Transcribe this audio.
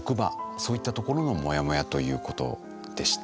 そういったところのモヤモヤということでした。